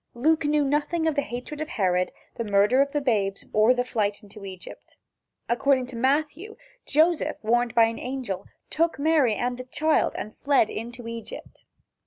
Luke knew nothing of the hatred of Herod, the murder of the babes or the flight into Egypt. According to Matthew, Joseph, warned by an angel, took Mary and the child and fled into Egypt.